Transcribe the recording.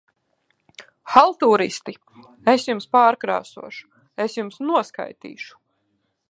-Haltūristi! Es jums pārkrāsošu. Es jums noskaitīšu!